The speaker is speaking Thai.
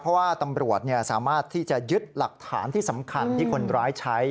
เพราะว่าตำรวจสามารถที่จะยึดหลักฐานที่สำคัญที่คนร้ายใช้